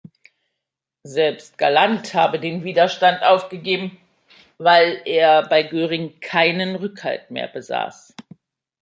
Selbst Galland habe den Widerstand aufgegeben, weil er bei Göring keinen Rückhalt mehr besaß.